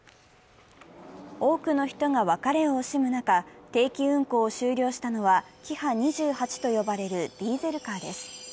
多くの人が別れを惜しむ中、定期運行を終了したのはキハ２８と呼ばれるディーゼルカーです。